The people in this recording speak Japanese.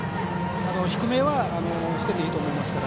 低めは捨てていいと思いますから。